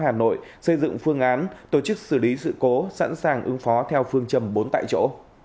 hà nội xây dựng phương án tổ chức xử lý sự cố sẵn sàng ứng phó theo phương châm bốn tại chỗ